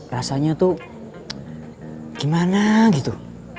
rasanya tuh gimana gitu